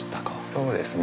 そうですね。